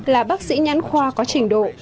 là bác sĩ nhắn khoa có trình độ